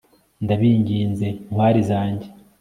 ndabinginze ntwari zanjye